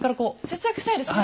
節約したいですね。